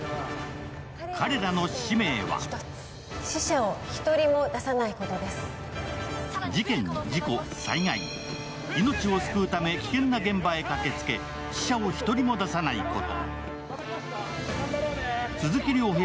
彼らの使命は事件、事故、災害、命を救うため危険な現場に駆けつけ、死者を一人も出さないこと。